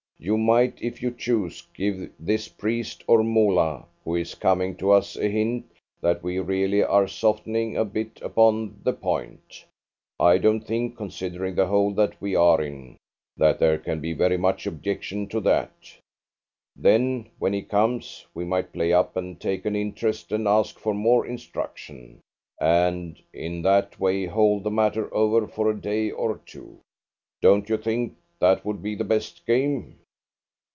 You might, if you chose, give this priest, or Moolah, who is coming to us, a hint that we really are softening a bit upon the point. I don't think, considering the hole that we are in, that there can be very much objection to that. Then, when he comes, we might play up and take an interest and ask for more instruction, and in that way hold the matter over for a day or two. Don't you think that would be the best game?"